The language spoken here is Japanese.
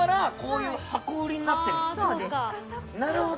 なるほど！